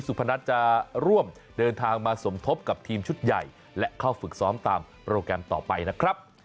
พนัทจะร่วมเดินทางมาสมทบกับทีมชุดใหญ่และเข้าฝึกซ้อมตามโปรแกรมต่อไปนะครับ